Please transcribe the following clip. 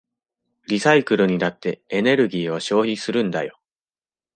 リサイクルにだってエネルギーを消費するんだよ。